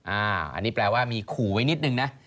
อันนี้แปลว่ามีขู่ไว้นิดนึงนะ